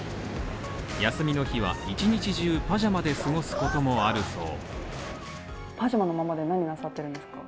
休みの日は一日中パジャマで過ごすこともあるそう。